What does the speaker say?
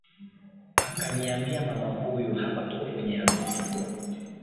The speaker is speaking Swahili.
akaniambia mama huyu hapa tuko kwenye arusi